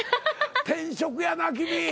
天職やな君。